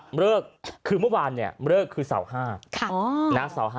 เมื่อวานเริกคือเสาห้า